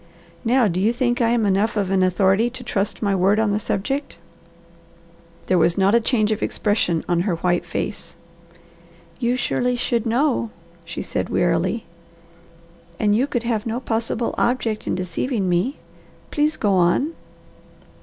Now do you think I am enough of an authority to trust my word on the subject?" There was not a change of expression on her white face. "You surely should know," she said wearily, "and you could have no possible object in deceiving me. Please go on."